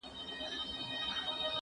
چي په تبر دي چپه په یوه آن کي